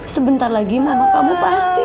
sementara ayah sama ayah dulu